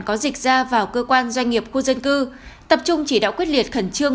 có dịch ra vào cơ quan doanh nghiệp khu dân cư tập trung chỉ đạo quyết liệt khẩn trương